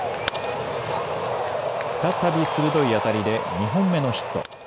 再び鋭い当たりで２本目のヒット。